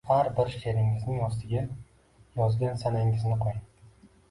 Har bir she’ringizning ostiga yozgan sanangizni qo’ying.